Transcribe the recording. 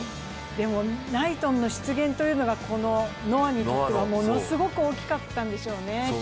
でもナイトンの出現というのはノアにとってはものすごく大きかったんでしょうね。